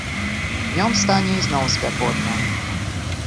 Днём стане ізноў спякотна.